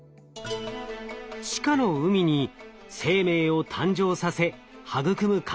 地下の海に生命を誕生させ育む環境があるのか？